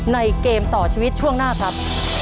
เกมต่อชีวิตช่วงหน้าครับ